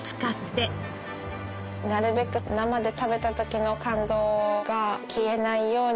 なるべく生で食べた時の感動が消えないように。